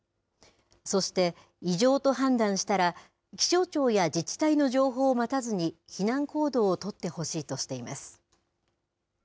そして、異常と判断したら、気象庁や自治体の情報を待たずに、避難行動を取ってほしいとしています。